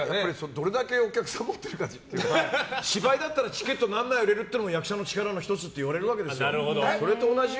どれだけお客さんを持ってるかっていうので芝居だったらチケット何枚売れるっていうのも役者の力の１つって言われるわけですよ。